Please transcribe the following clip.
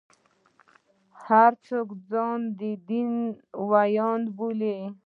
هر څوک ځان د دین ویاند بولي.